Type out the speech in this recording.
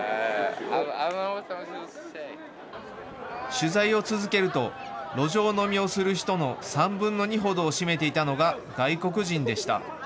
取材を続けると路上飲みをする人の３分の２ほどを占めていたのが外国人でした。